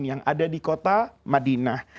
yang ada di kota madinah